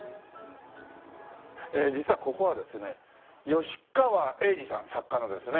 実はここはですね吉川英治さん作家のですね。